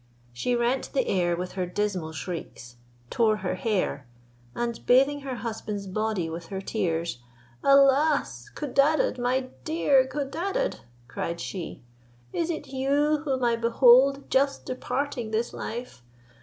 She rent the air with her dismal shrieks, tore her hair, and bathing her husband's body with her tears, "Alas! Codadad, my dear Codadad," cried she, "is it you whom I behold just departing this life?